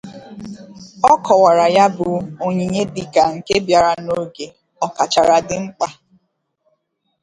Ọ kọwara ya bụ onyinye dịka nke bịara n'oge ọ kachara dị mkpa